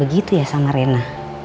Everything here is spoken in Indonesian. begitu ya sama rina